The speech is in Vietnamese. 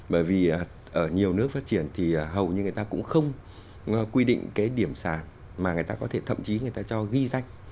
bởi vì ở nhiều nước phát triển thì hầu như người ta cũng không quy định cái điểm sàn mà người ta có thể thậm chí người ta cho ghi danh